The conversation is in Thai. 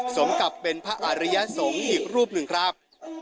สมกับเป็นพระอาริยสงฆ์อีกรูปหนึ่งครับ